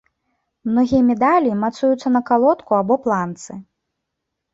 Многія медалі мацуюцца на калодку або планцы.